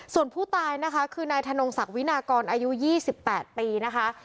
ส่วนผู้ตายนะคะคือนายธนงศักดิ์วินากรอายุ๒๘ปีนะคะ